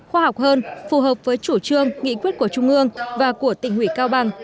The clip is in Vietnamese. khoa học hơn phù hợp với chủ trương nghị quyết của chung mương và của tỉnh hủy cao bằng